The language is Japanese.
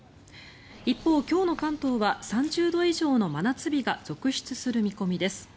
一方、今日の関東は３０度以上の真夏日が続出する見込みです。